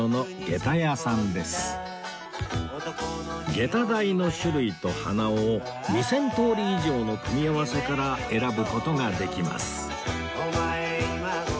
下駄台の種類と花緒を２０００通り以上の組み合わせから選ぶ事ができます